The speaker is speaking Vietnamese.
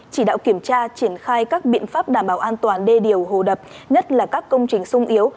chỉ đạo kiểm tra triển khai các biện pháp đảm bảo an toàn đê điều hồ đập nhất là các công trình sung yếu